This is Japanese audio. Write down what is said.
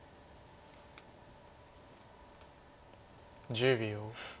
１０秒。